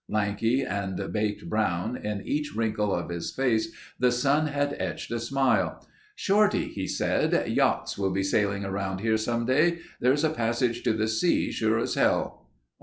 Lanky and baked brown, in each wrinkle of his face the sun had etched a smile. "Shorty," he said, "yachts will be sailing around here some day. There's a passage to the sea, sure as hell."